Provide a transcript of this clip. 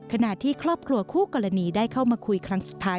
ขณะที่ครอบครัวคู่กรณีได้เข้ามาคุยครั้งสุดท้าย